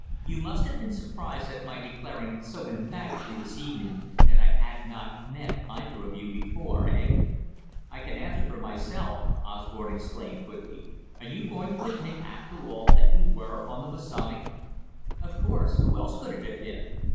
You must have been surprised at my declaring so emphatically this evening that I had not met either of you before eh?" "I can answer for myself," Osborne exclaimed quickly. "Are you going to admit, after all, that you were on the Masonic?" "Of course! Who else could it have been?